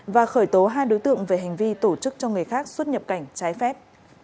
và khởi tố hai đối tượng về hành vi tổ chức cho người khác xuất nhập cảnh trái phép